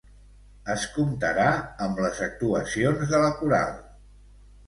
Es comptarà amb les actuacions de la Coral.